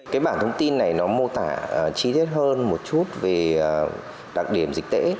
cái bản thông tin này nó mô tả chi tiết hơn một chút về đặc điểm dịch tễ